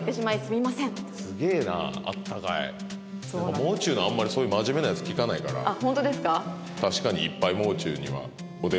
もう中のあんまりそういう真面目なやつ聞かないからあっ